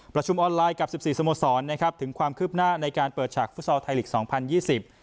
ประชุมออนไลน์กับ๑๔สมสอนถึงความคืบหน้าในการเปิดฉากฟุตซอลไทยฤกษ์๒๐๒๐